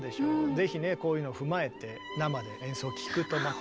ぜひねこういうのを踏まえて生で演奏を聴くとまた。